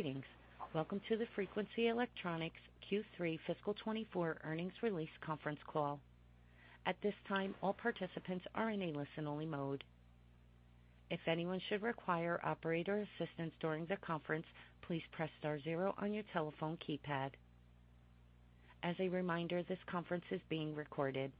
Greetings. Welcome to the Frequency Electronics Q3 Fiscal 2024 earnings release conference call. At this time, all participants are in a listen-only mode. If anyone should require operator assistance during the conference, please press star zero on your telephone keypad. As a reminder, this conference is being recorded.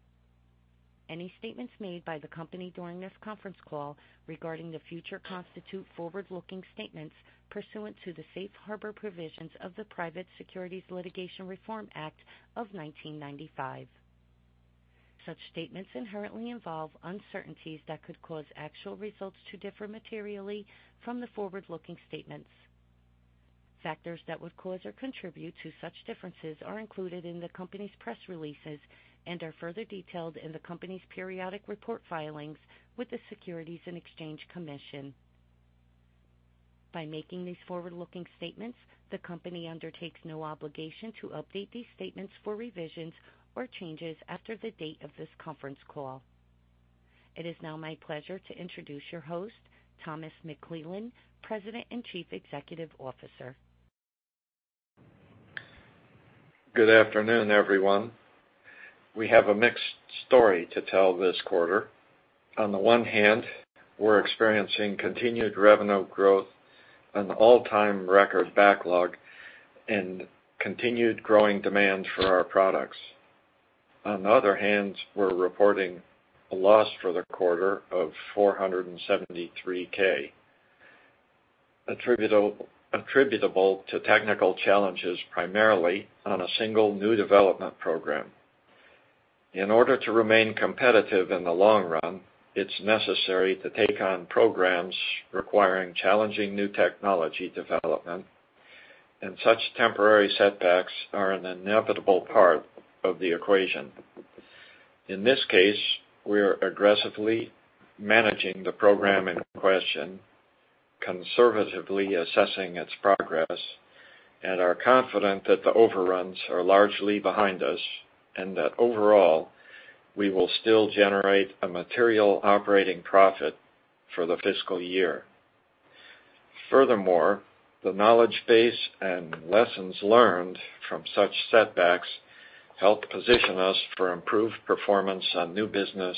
Any statements made by the company during this conference call regarding the future constitute forward-looking statements pursuant to the Safe Harbor provisions of the Private Securities Litigation Reform Act of 1995. Such statements inherently involve uncertainties that could cause actual results to differ materially from the forward-looking statements. Factors that would cause or contribute to such differences are included in the company's press releases and are further detailed in the company's periodic report filings with the Securities and Exchange Commission. By making these forward-looking statements, the company undertakes no obligation to update these statements for revisions or changes after the date of this conference call. It is now my pleasure to introduce your host, Thomas McClelland, President and Chief Executive Officer. Good afternoon, everyone. We have a mixed story to tell this quarter. On the one hand, we're experiencing continued revenue growth, an all-time record backlog, and continued growing demand for our products. On the other hand, we're reporting a loss for the quarter of $473,000, attributable to technical challenges primarily on a single new development program. In order to remain competitive in the long run, it's necessary to take on programs requiring challenging new technology development, and such temporary setbacks are an inevitable part of the equation. In this case, we're aggressively managing the program in question, conservatively assessing its progress, and are confident that the overruns are largely behind us and that overall we will still generate a material operating profit for the fiscal year. Furthermore, the knowledge base and lessons learned from such setbacks help position us for improved performance on new business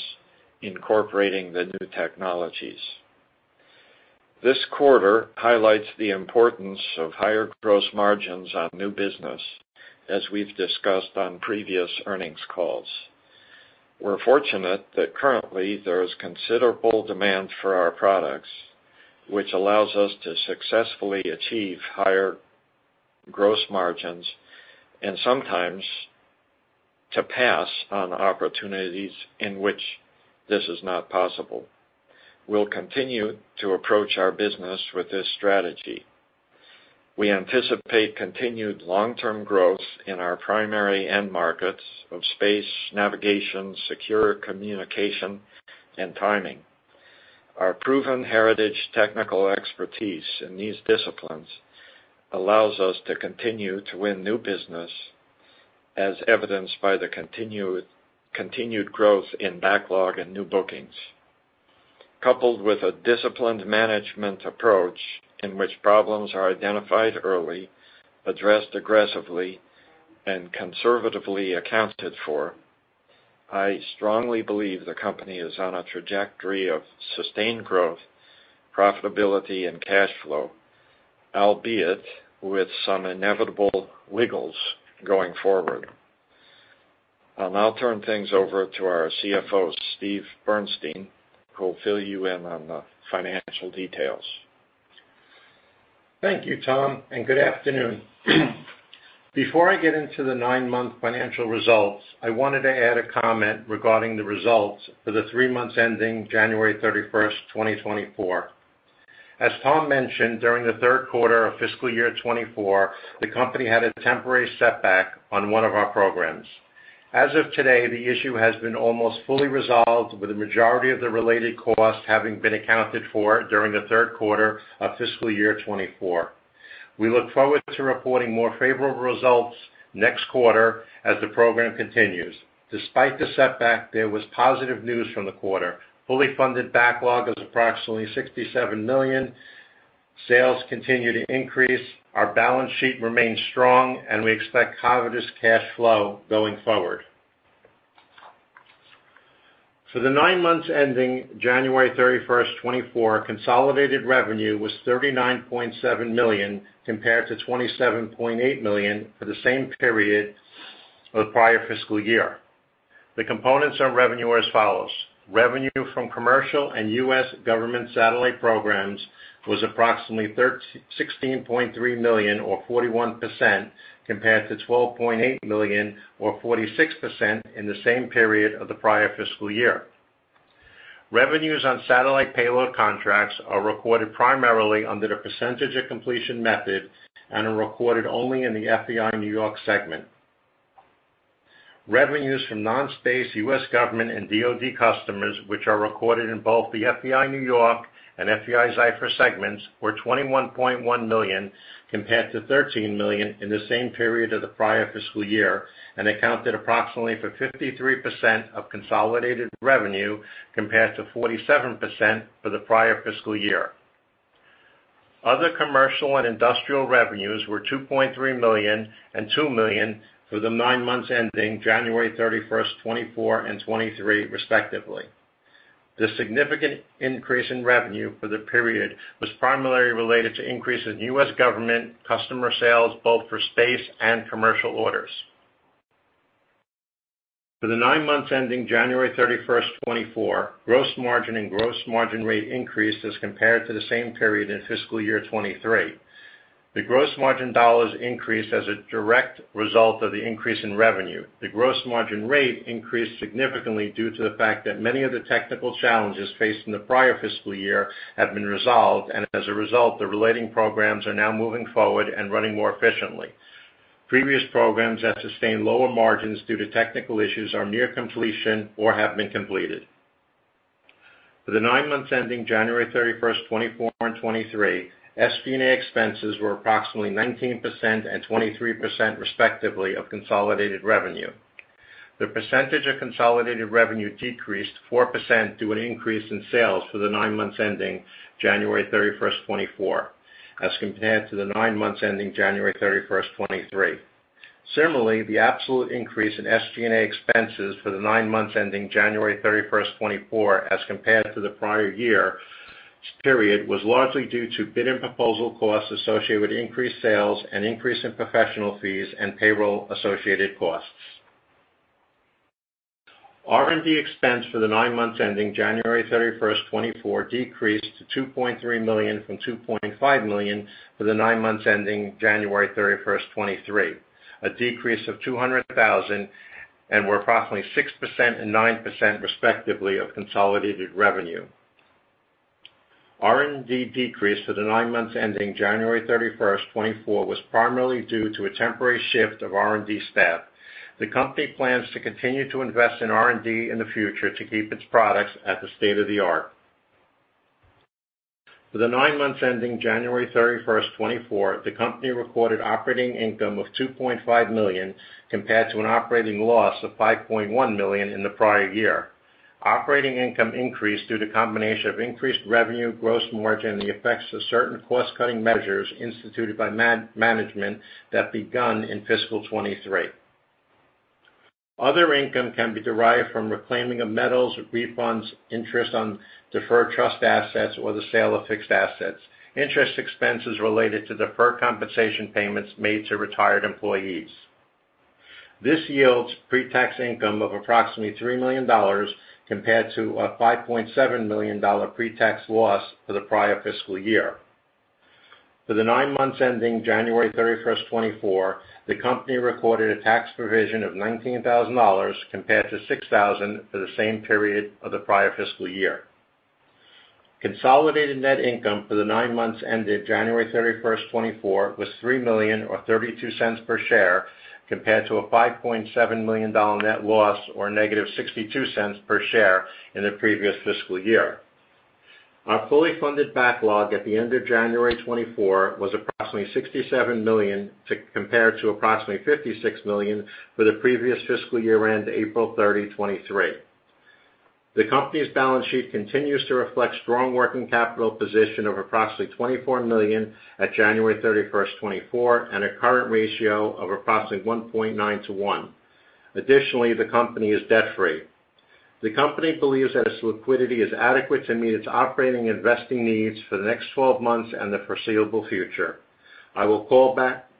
incorporating the new technologies. This quarter highlights the importance of higher gross margins on new business, as we've discussed on previous earnings calls. We're fortunate that currently there is considerable demand for our products, which allows us to successfully achieve higher gross margins and sometimes to pass on opportunities in which this is not possible. We'll continue to approach our business with this strategy. We anticipate continued long-term growth in our primary end markets of space, navigation, secure communication, and timing. Our proven heritage technical expertise in these disciplines allows us to continue to win new business, as evidenced by the continued growth in backlog and new bookings. Coupled with a disciplined management approach in which problems are identified early, addressed aggressively, and conservatively accounted for, I strongly believe the company is on a trajectory of sustained growth, profitability, and cash flow, albeit with some inevitable wiggles going forward. I'll now turn things over to our CFO, Steve Bernstein, who'll fill you in on the financial details. Thank you, Tom, and good afternoon. Before I get into the nine-month financial results, I wanted to add a comment regarding the results for the three months ending January 31st, 2024. As Tom mentioned, during the third quarter of fiscal year 2024, the company had a temporary setback on one of our programs. As of today, the issue has been almost fully resolved, with the majority of the related costs having been accounted for during the third quarter of fiscal year 2024. We look forward to reporting more favorable results next quarter as the program continues. Despite the setback, there was positive news from the quarter: fully funded backlog of approximately $67 million, sales continue to increase, our balance sheet remains strong, and we expect positive cash flow going forward. For the nine months ending January 31st, 2024, consolidated revenue was $39.7 million compared to $27.8 million for the same period of the prior fiscal year. The components of revenue are as follows: revenue from commercial and U.S. government satellite programs was approximately $16.3 million or 41% compared to $12.8 million or 46% in the same period of the prior fiscal year. Revenues on satellite payload contracts are recorded primarily under the percentage of completion method and are recorded only in the FEI-New York segment. Revenues from non-space U.S. government and DoD customers, which are recorded in both the FEI-New York and FEI-Zyfer segments, were $21.1 million compared to $13 million in the same period of the prior fiscal year and accounted approximately for 53% of consolidated revenue compared to 47% for the prior fiscal year. Other commercial and industrial revenues were $2.3 million and $2 million for the nine months ending January 31st, 2024, and 2023, respectively. The significant increase in revenue for the period was primarily related to increases in U.S. government customer sales, both for space and commercial orders. For the nine months ending January 31st, 2024, gross margin and gross margin rate increased as compared to the same period in fiscal year 2023. The gross margin dollars increased as a direct result of the increase in revenue. The gross margin rate increased significantly due to the fact that many of the technical challenges faced in the prior fiscal year have been resolved, and as a result, the relating programs are now moving forward and running more efficiently. Previous programs that sustained lower margins due to technical issues are near completion or have been completed. For the nine months ending January 31st, 2024, and 2023, SG&A expenses were approximately 19% and 23%, respectively, of consolidated revenue. The percentage of consolidated revenue decreased 4% due to an increase in sales for the nine months ending January 31st, 2024, as compared to the nine months ending January 31st, 2023. Similarly, the absolute increase in SG&A expenses for the nine months ending January 31st, 2024, as compared to the prior year period, was largely due to bid and proposal costs associated with increased sales and increase in professional fees and payroll-associated costs. R&D expense for the nine months ending January 31st, 2024, decreased to $2.3 million from $2.5 million for the nine months ending January 31st, 2023, a decrease of $200,000 and were approximately 6% and 9%, respectively, of consolidated revenue. R&D decrease for the nine months ending January 31st, 2024, was primarily due to a temporary shift of R&D staff. The company plans to continue to invest in R&D in the future to keep its products at the state of the art. For the nine months ending January 31st, 2024, the company recorded operating income of $2.5 million compared to an operating loss of $5.1 million in the prior year. Operating income increased due to a combination of increased revenue, gross margin, and the effects of certain cost-cutting measures instituted by management that begun in fiscal 2023. Other income can be derived from reclaiming of metals, refunds, interest on deferred trust assets, or the sale of fixed assets. Interest expenses related to deferred compensation payments made to retired employees. This yields pre-tax income of approximately $3 million compared to a $5.7 million pre-tax loss for the prior fiscal year. For the nine months ending January 31st, 2024, the company recorded a tax provision of $19,000 compared to $6,000 for the same period of the prior fiscal year. Consolidated net income for the nine months ended January 31st, 2024, was $3 million or $0.32 per share compared to a $5.7 million net loss or negative $0.62 per share in the previous fiscal year. Our fully funded backlog at the end of January 2024 was approximately $67 million compared to approximately $56 million for the previous fiscal year end April 30, 2023. The company's balance sheet continues to reflect a strong working capital position of approximately $24 million at January 31st, 2024, and a current ratio of approximately 1.9 to 1. Additionally, the company is debt-free. The company believes that its liquidity is adequate to meet its operating and investing needs for the next 12 months and the foreseeable future. I will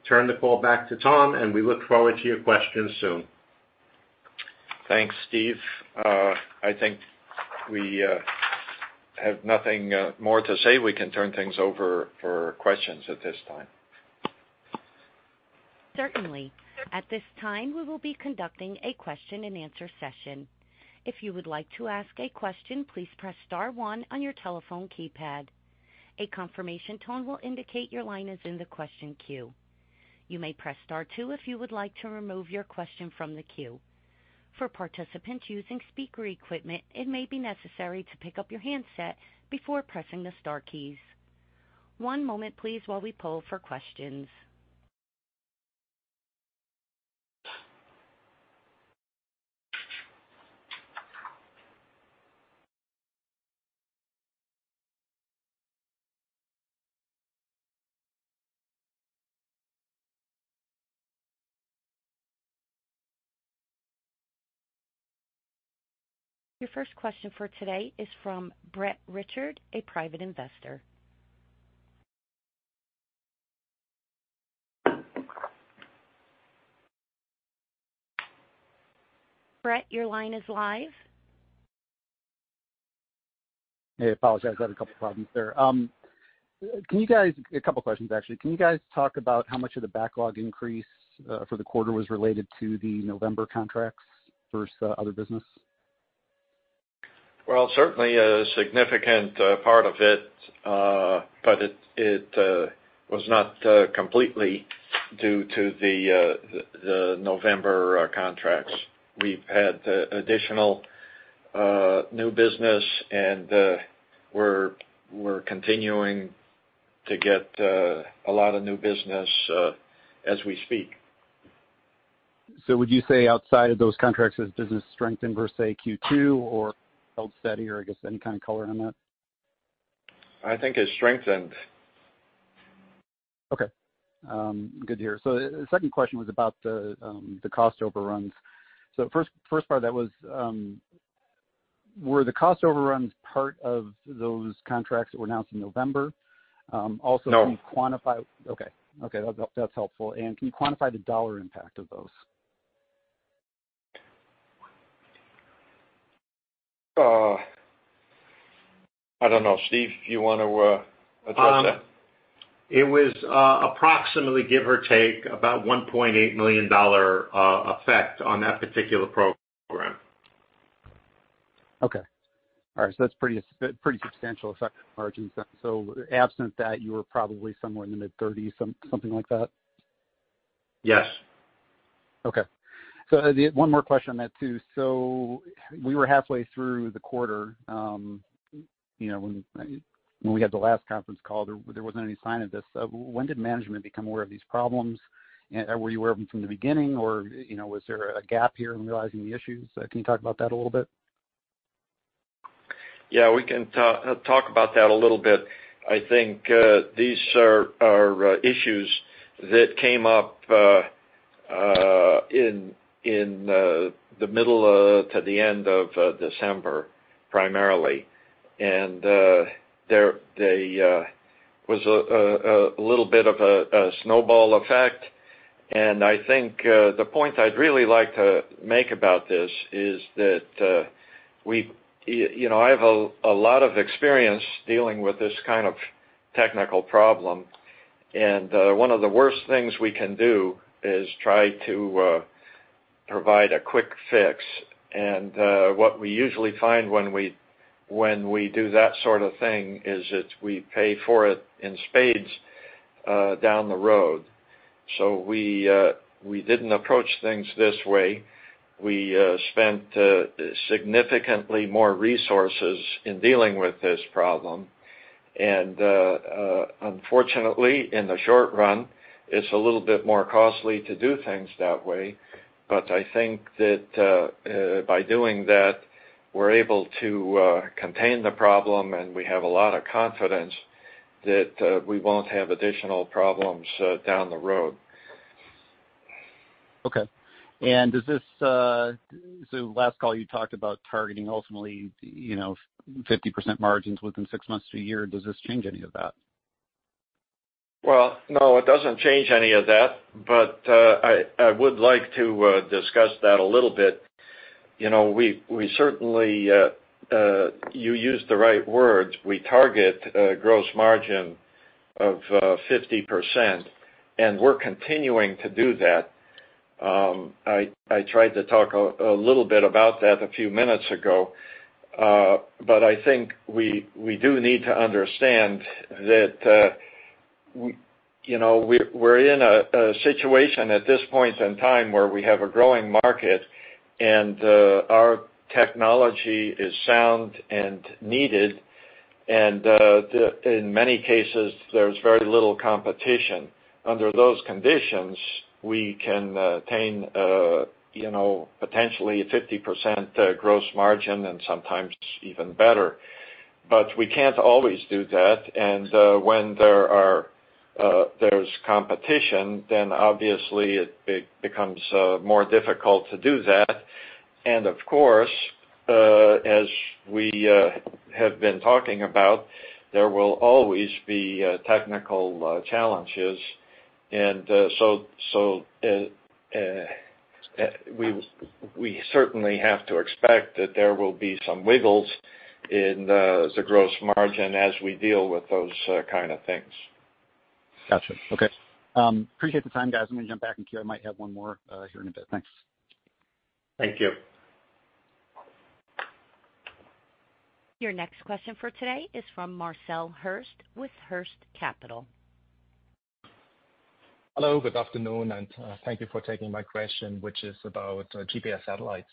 turn the call back to Tom, and we look forward to your questions soon. Thanks, Steve. I think we have nothing more to say. We can turn things over for questions at this time. Certainly. At this time, we will be conducting a question-and-answer session. If you would like to ask a question, please press star one on your telephone keypad. A confirmation tone will indicate your line is in the question queue. You may press star two if you would like to remove your question from the queue. For participants using speaker equipment, it may be necessary to pick up your handset before pressing the star keys. One moment, please, while we pull for questions. Your first question for today is from Brett Richards, a private investor. Brett, your line is live. Hey, apologize. I had a couple of problems there. A couple of questions, actually. Can you guys talk about how much of the backlog increase for the quarter was related to the November contracts versus other business? Well, certainly a significant part of it, but it was not completely due to the November contracts. We've had additional new business, and we're continuing to get a lot of new business as we speak. So, would you say outside of those contracts is business strengthened versus, say, Q2 or held steady, or I guess any kind of color on that? I think it's strengthened. Okay. Good to hear. The second question was about the cost overruns. First part of that was, were the cost overruns part of those contracts that were announced in November? Also, can you quantify? No. Okay. Okay. That's helpful. And can you quantify the dollar impact of those? I don't know. Steve, you want to address that? It was approximately, give or take, about $1.8 million effect on that particular program. Okay. All right. So that's a pretty substantial effect on margins then. So absent that, you were probably somewhere in the mid-30s, something like that? Yes. Okay. So one more question on that too. So we were halfway through the quarter. When we had the last conference call, there wasn't any sign of this. When did management become aware of these problems? Were you aware of them from the beginning, or was there a gap here in realizing the issues? Can you talk about that a little bit? Yeah. We can talk about that a little bit. I think these are issues that came up in the middle to the end of December, primarily. There was a little bit of a snowball effect. I think the point I'd really like to make about this is that I have a lot of experience dealing with this kind of technical problem, and one of the worst things we can do is try to provide a quick fix. What we usually find when we do that sort of thing is that we pay for it in spades down the road. We didn't approach things this way. We spent significantly more resources in dealing with this problem. Unfortunately, in the short run, it's a little bit more costly to do things that way. I think that by doing that, we're able to contain the problem, and we have a lot of confidence that we won't have additional problems down the road. Okay. And so last call, you talked about targeting, ultimately, 50% margins within six months to a year. Does this change any of that? Well, no, it doesn't change any of that, but I would like to discuss that a little bit. We certainly, you used the right words, we target a gross margin of 50%, and we're continuing to do that. I tried to talk a little bit about that a few minutes ago, but I think we do need to understand that we're in a situation at this point in time where we have a growing market, and our technology is sound and needed. And in many cases, there's very little competition. Under those conditions, we can attain potentially a 50% gross margin and sometimes even better. But we can't always do that. And when there's competition, then obviously, it becomes more difficult to do that. And of course, as we have been talking about, there will always be technical challenges. We certainly have to expect that there will be some wiggles in the gross margin as we deal with those kind of things. Gotcha. Okay. Appreciate the time, guys. I'm going to jump back and keep. I might have one more here in a bit. Thanks. Thank you. Your next question for today is from Marcel Hirst with Hirst Capital. Hello, good afternoon, and thank you for taking my question, which is about GPS satellites.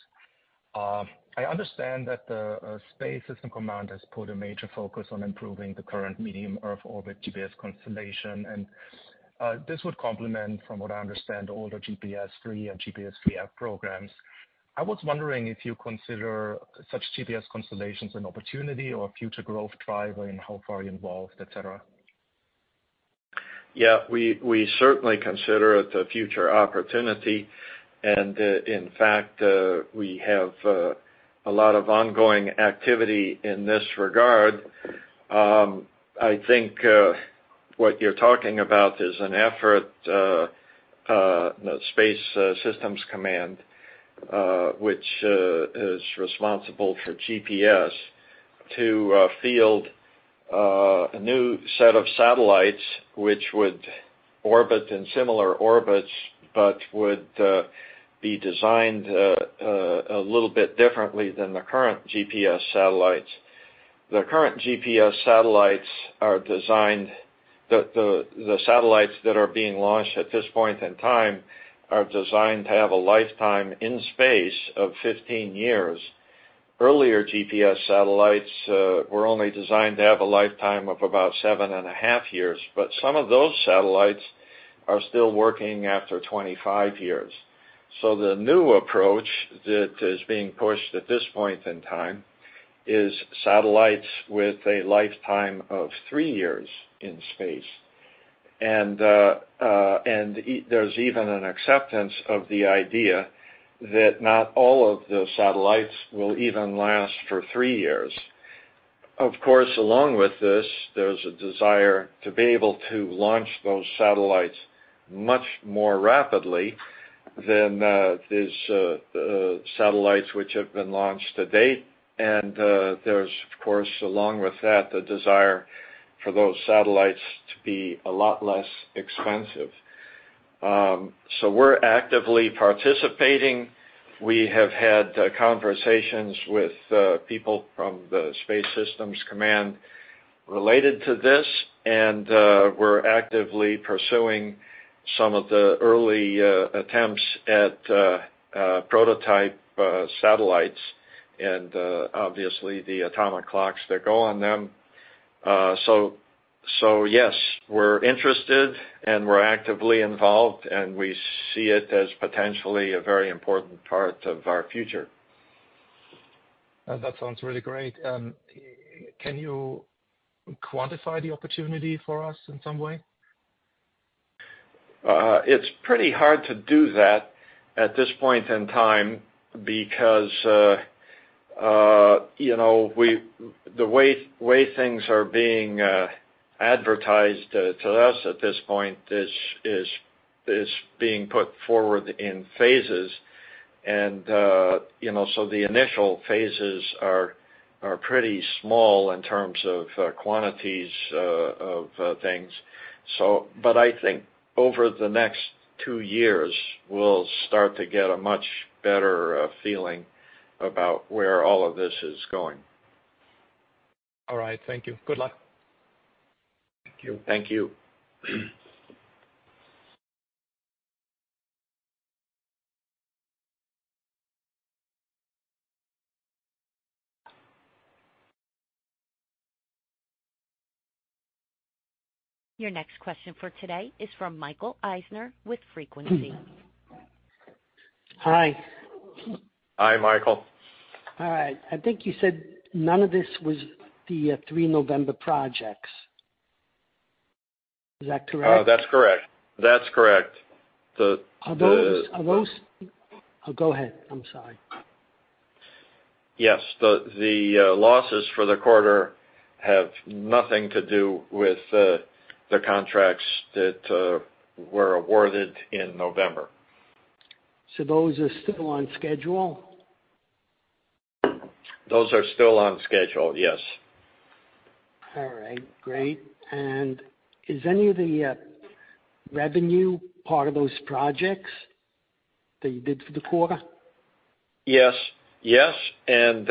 I understand that the Space Systems Command has put a major focus on improving the current Medium Earth Orbit GPS constellation, and this would complement, from what I understand, all the GPS III and GPS IIIF programs. I was wondering if you consider such GPS constellations an opportunity or a future growth driver in how far you're involved, etc. Yeah. We certainly consider it a future opportunity. And in fact, we have a lot of ongoing activity in this regard. I think what you're talking about is an effort, Space Systems Command, which is responsible for GPS, to field a new set of satellites which would orbit in similar orbits but would be designed a little bit differently than the current GPS satellites. The current GPS satellites are designed, the satellites that are being launched at this point in time are designed, to have a lifetime in space of 15 years. Earlier GPS satellites were only designed to have a lifetime of about 7.5 years, but some of those satellites are still working after 25 years. So the new approach that is being pushed at this point in time is satellites with a lifetime of 3 years in space. And there's even an acceptance of the idea that not all of the satellites will even last for three years. Of course, along with this, there's a desire to be able to launch those satellites much more rapidly than these satellites which have been launched to date. And there's, of course, along with that, the desire for those satellites to be a lot less expensive. So we're actively participating. We have had conversations with people from the Space Systems Command related to this, and we're actively pursuing some of the early attempts at prototype satellites and obviously the atomic clocks that go on them. So yes, we're interested, and we're actively involved, and we see it as potentially a very important part of our future. That sounds really great. Can you quantify the opportunity for us in some way? It's pretty hard to do that at this point in time because the way things are being advertised to us at this point is being put forward in phases. And so the initial phases are pretty small in terms of quantities of things. But I think over the next two years, we'll start to get a much better feeling about where all of this is going. All right. Thank you. Good luck. Thank you. Thank you. Your next question for today is from Michael Eisner with Frequency. Hi. Hi, Michael. All right. I think you said none of this was the three November projects. Is that correct? That's correct. That's correct. Oh, go ahead. I'm sorry. Yes. The losses for the quarter have nothing to do with the contracts that were awarded in November. So those are still on schedule? Those are still on schedule, yes. All right. Great. And is any of the revenue part of those projects that you did for the quarter? Yes. Yes. That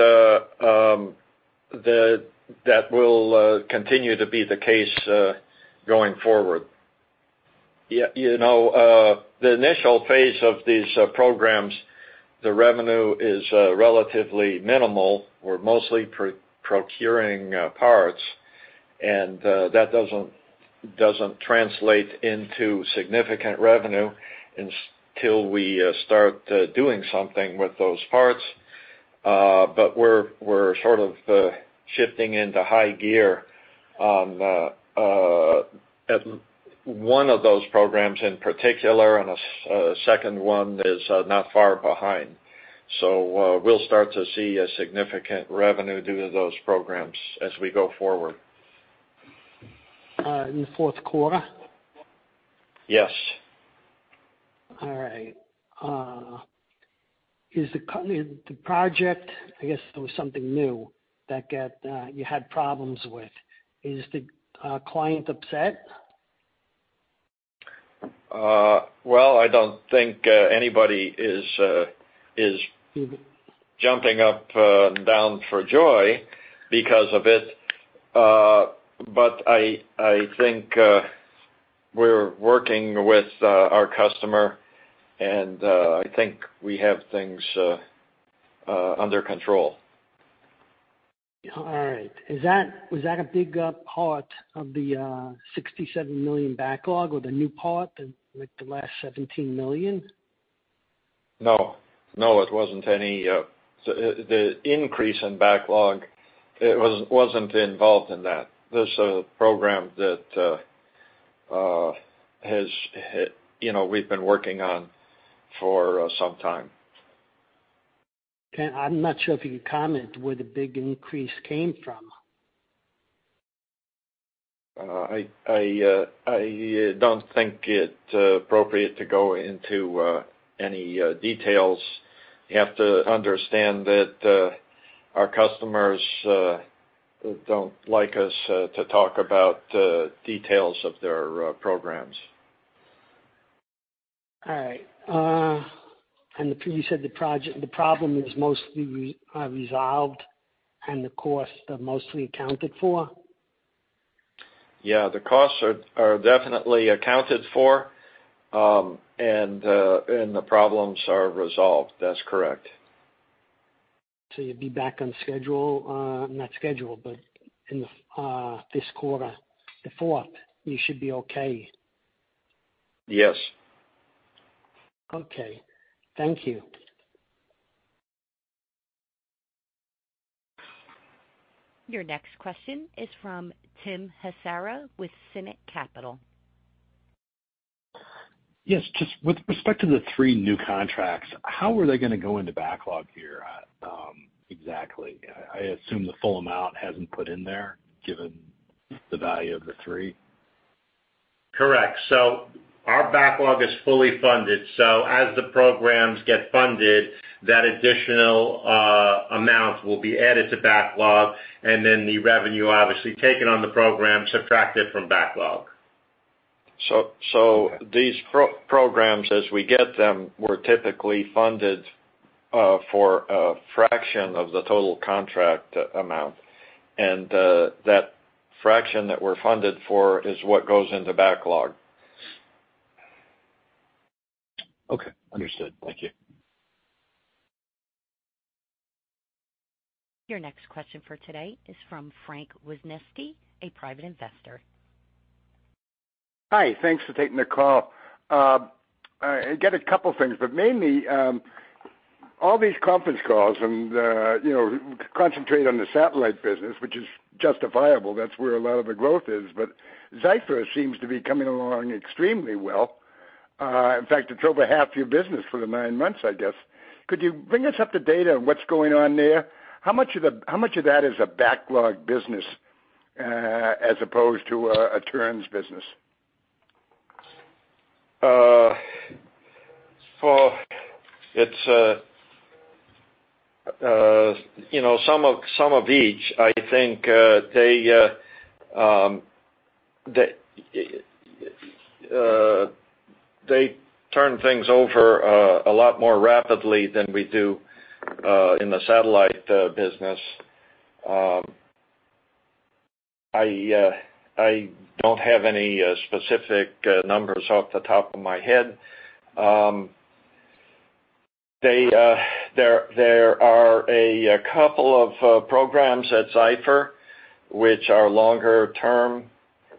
will continue to be the case going forward. The initial phase of these programs, the revenue is relatively minimal. We're mostly procuring parts, and that doesn't translate into significant revenue until we start doing something with those parts. We're sort of shifting into high gear on one of those programs in particular, and a second one is not far behind. We'll start to see a significant revenue due to those programs as we go forward. All right. Fourth quarter? Yes. All right. Is the project? I guess there was something new that you had problems with. Is the client upset? Well, I don't think anybody is jumping up and down for joy because of it. But I think we're working with our customer, and I think we have things under control. All right. Was that a big part of the $67 million backlog or the new part, the last $17 million? No. No, it wasn't any the increase in backlog. It wasn't involved in that. There's a program that we've been working on for some time. Okay. I'm not sure if you can comment where the big increase came from? I don't think it's appropriate to go into any details. You have to understand that our customers don't like us to talk about details of their programs. All right. And you said the problem is mostly resolved and the costs are mostly accounted for? Yeah. The costs are definitely accounted for, and the problems are resolved. That's correct. You'll be back on schedule, not schedule, but in this quarter, the fourth, you should be okay? Yes. Okay. Thank you. Your next question is from Tim Hasara with Sinnet Capital. Yes. With respect to the three new contracts, how are they going to go into backlog here exactly? I assume the full amount hasn't put in there given the value of the three. Correct. So our backlog is fully funded. So as the programs get funded, that additional amount will be added to backlog, and then the revenue, obviously, taken on the program, subtracted from backlog. So these programs, as we get them, were typically funded for a fraction of the total contract amount. And that fraction that we're funded for is what goes into backlog. Okay. Understood. Thank you. Your next question for today is from Frank Woznicki, a private investor. Hi. Thanks for taking the call. I get a couple of things, but mainly, all these conference calls and concentrate on the satellite business, which is justifiable. That's where a lot of the growth is. But Zyfer seems to be coming along extremely well. In fact, it's over half your business for the nine months, I guess. Could you bring us up to date on what's going on there? How much of that is a backlog business as opposed to a turn's business? For some of each, I think they turn things over a lot more rapidly than we do in the satellite business. I don't have any specific numbers off the top of my head. There are a couple of programs at Zyfer which are longer term,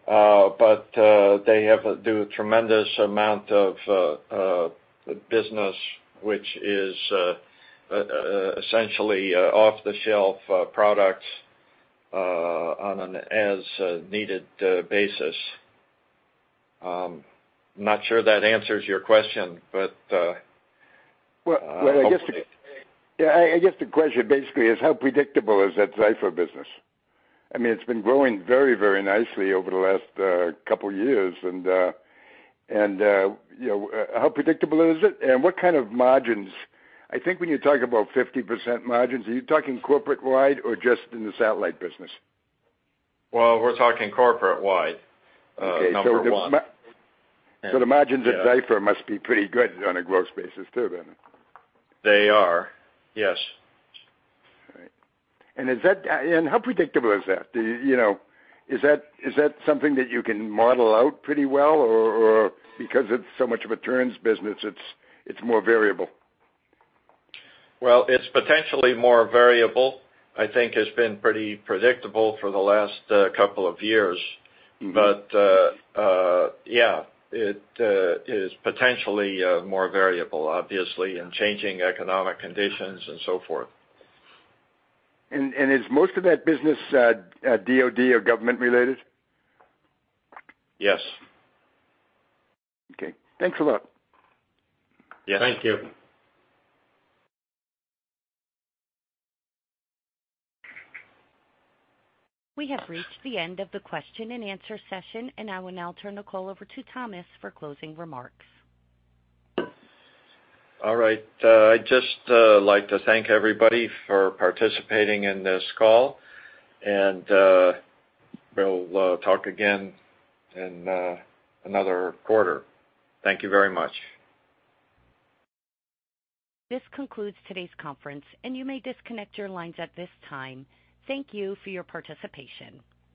but they do a tremendous amount of business which is essentially off-the-shelf products on an as-needed basis. I'm not sure that answers your question, but. Well, I guess the question basically is, how predictable is that Zyfer business? I mean, it's been growing very, very nicely over the last couple of years. And how predictable is it, and what kind of margins? I think when you talk about 50% margins, are you talking corporate-wide or just in the satellite business? Well, we're talking corporate-wide, number one. Okay. So the margins at Zyfer must be pretty good on a growth basis too, then? They are. Yes. All right. How predictable is that? Is that something that you can model out pretty well, or because it's so much of a turnkey business, it's more variable? Well, it's potentially more variable. I think it's been pretty predictable for the last couple of years. But yeah, it is potentially more variable, obviously, in changing economic conditions and so forth. Is most of that business DoD or government-related? Yes. Okay. Thanks a lot. Yes. Thank you. We have reached the end of the question-and-answer session, and I will now turn the call over to Thomas for closing remarks. All right. I'd just like to thank everybody for participating in this call, and we'll talk again in another quarter. Thank you very much. This concludes today's conference, and you may disconnect your lines at this time. Thank you for your participation.